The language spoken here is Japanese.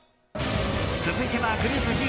続いてはグループＧ。